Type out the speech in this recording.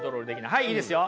はいいいですよ。